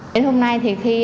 đến hôm nay thì